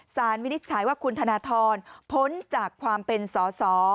วินิจฉัยว่าคุณธนทรพ้นจากความเป็นสอสอ